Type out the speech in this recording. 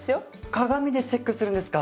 鏡でチェックするんですか。